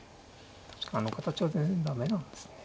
あの形は全然駄目なんですね。